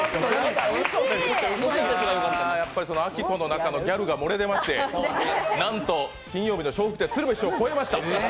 亜希子の中のギャグが漏れ出ましてなんと、金曜日の笑福亭鶴瓶師匠を超えました。